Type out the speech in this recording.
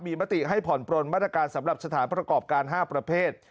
มีมติให้ผ่อนปลนมาตรการสำหรับสถานประกอบการ๕ประเภท